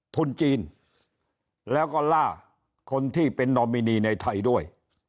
ทุนจีนแล้วก็ล่าคนที่เป็นนอมินีในไทยด้วย